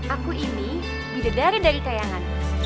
aku ini bidedarin dari kayangan